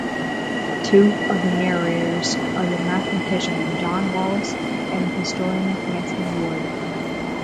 Two of the narrators are the mathematician John Wallis and the historian Anthony Wood.